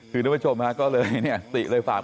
คุณผู้ชมน่าจะเลยเนี่ยติเลยฝาก